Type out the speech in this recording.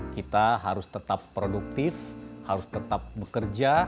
kita harus tetap produktif harus tetap bekerja